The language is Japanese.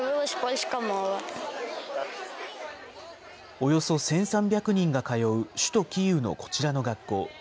およそ１３００人が通う首都キーウのこちらの学校。